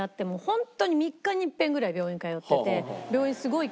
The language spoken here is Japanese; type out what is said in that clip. ホントに３日に一遍ぐらい病院通ってて。